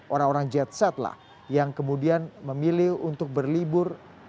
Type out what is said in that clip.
orang orang jetset lah yang kemudian memilih untuk berlibur